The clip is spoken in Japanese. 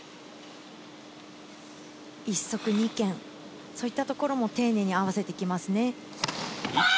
一足二拳、そういったところも丁寧に合わせてきますね。